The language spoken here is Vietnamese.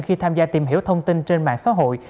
khi tham gia tìm hiểu thông tin trên mạng xã hội